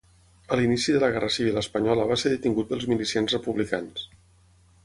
A l'inici de la Guerra Civil Espanyola va ser detingut pels milicians republicans.